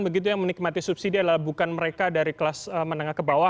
begitu yang menikmati subsidi adalah bukan mereka dari kelas menengah ke bawah